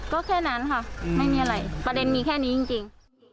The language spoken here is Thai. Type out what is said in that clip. ก็แค่นั้นค่ะไม่มีอะไรประเด็นมีแค่นี้จริง